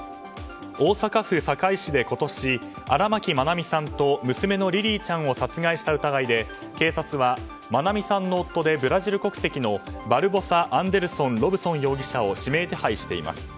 大阪府堺市で今年荒牧愛美さんと娘のリリィちゃんを殺害した疑いで警察は愛美さんの夫でブラジル国籍のバルボサ・アンデルソン・ロブソン容疑者を閉め手配しています。